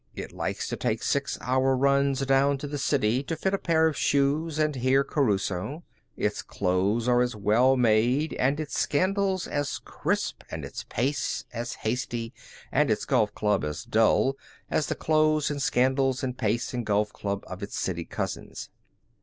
It likes to take six hour runs down to the city to fit a pair of shoes and hear Caruso. Its clothes are as well made, and its scandals as crisp, and its pace as hasty, and its golf club as dull as the clothes, and scandals, and pace, and golf club of its city cousins.